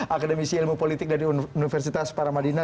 akademisi ilmu politik dari universitas paramadina